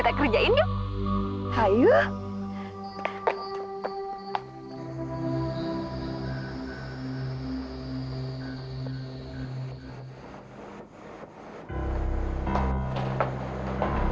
gak biasanya begini